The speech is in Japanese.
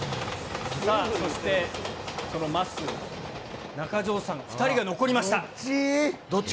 さあ、そして、そのまっすーと、中条さん、２人が残りました。